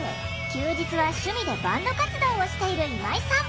休日は趣味でバンド活動をしている今井さん。